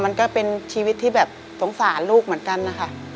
มันก็เป็นชีวิตที่แบบสงสารลูกเหมือนกันนะคะ